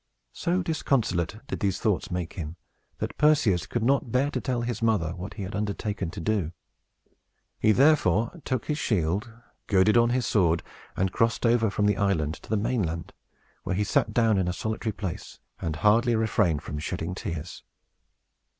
So disconsolate did these thoughts make him, that Perseus could not bear to tell his mother what he had undertaken to do. He therefore took his shield, girded on his sword, and crossed over from the island to the mainland, where he sat down in a solitary place, and hardly refrained from shedding tears.